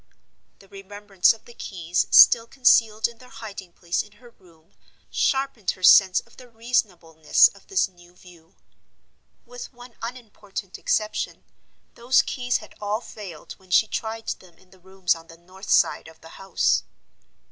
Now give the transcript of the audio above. The remembrance of the keys still concealed in their hiding place in her room sharpened her sense of the reasonableness of this new view. With one unimportant exception, those keys had all failed when she tried them in the rooms on the north side of the house.